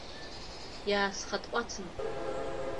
Иаасхаҭҟәацын.